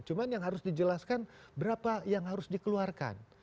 cuma yang harus dijelaskan berapa yang harus dikeluarkan